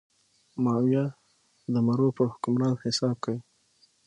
ماهویه د مرو پر حکمران حساب کوي.